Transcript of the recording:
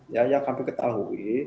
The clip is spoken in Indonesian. ya yang kami ketahui